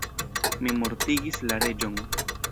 Mi mortigis la reĝon.